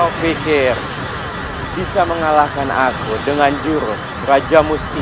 kau pikir bisa mengalahkan aku dengan jurus raja musti